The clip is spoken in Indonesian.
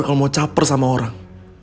kalau mau caper sama orang